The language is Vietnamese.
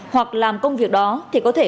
hoặc làm công việc đó thì có thể